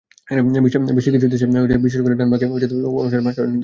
বিশ্বের কিছু দেশে, বিশেষ করে ডেনমার্কে মানুষের বয়স অনুসারে মাছ খাওয়ার নির্দেশনা আছে।